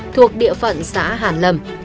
thuộc địa phận xã hàn lâm